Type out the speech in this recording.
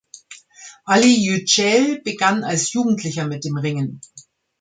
Ali Yücel begann als Jugendlicher mit dem Ringen.